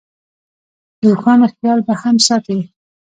د اوښانو خیال به هم ساتې.